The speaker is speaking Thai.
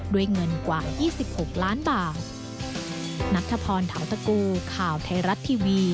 ด้วยเงินกว่า๒๖ล้านบาท